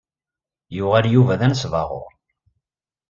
Yuɣal Yuba d anesbaɣur.